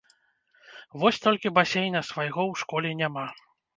Вось толькі басейна свайго ў школе няма.